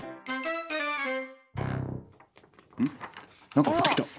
「何か降ってきた。